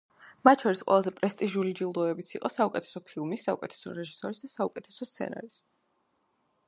მათ შორის ყველაზე პრესტიჟული ჯილდოებიც იყო – საუკეთესო ფილმის, საუკეთესო რეჟისორის და საუკეთესო სცენარის.